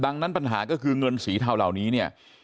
ดังนั้นปัญหาก็คือเงินสีเทาเหล่านี้เนี่ย